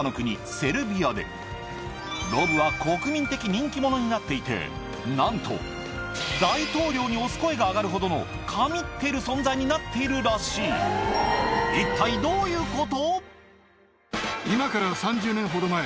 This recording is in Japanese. セルビアでロブは国民的人気者になっていてなんと大統領に推す声が上がるほどの神ってる存在になっているらしい一体どういうこと？